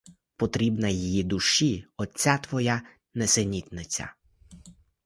Потрібна її душі оця твоя нісенітниця!